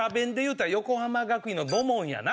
横浜学院の土門やな。